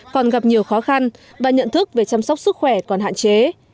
còn gặp nhiều khó khăn và nhận thức về chăm sóc sức khỏe còn hạn chế